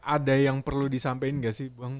ada yang perlu di sampein gak sih bang